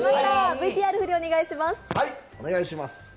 ＶＴＲ振りをお願いします。